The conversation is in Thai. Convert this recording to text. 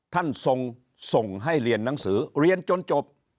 ท่านส่งให้เรียนหนังสือเรียนจนจบ